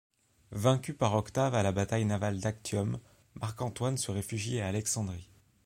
Vaincu par Octave à la bataille navale d'Actium, Marc-Antoine se réfugie à Alexandrie.